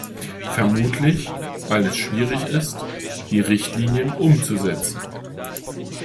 Vermutlich, weil es schwierig ist, die Richtlinien umzusetzen.